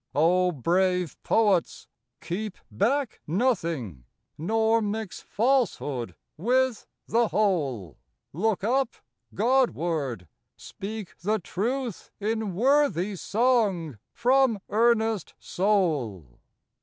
O brave poets, keep back nothing ; Nor mix falsehood with the whole ! Look up Godward! speak the truth in Worthy song from earnest soul